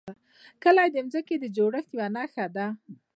کلي د ځمکې د جوړښت یوه نښه ده.